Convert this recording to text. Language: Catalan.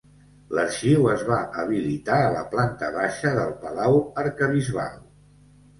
L'arxiu es va habilitar a la planta baixa del Palau Arquebisbal.